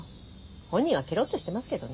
本人はケロっとしてますけどね。